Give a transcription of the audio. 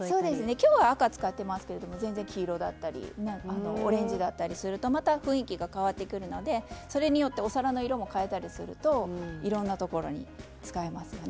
今日は赤使ってますけれども黄色だったりオレンジだったりするとまた雰囲気が変わってくるのでそれによってお皿の色も変えたりするといろんなところに使えますよね。